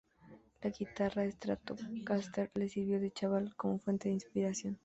La guitarra Stratocaster le sirvió al chaval como fuente de inspiración.